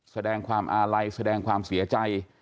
แสดงความอาลัยแสดงความเสียใจ